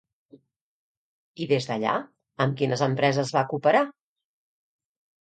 I des d'allà amb quines empreses va cooperar?